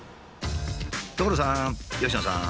所さん佳乃さん。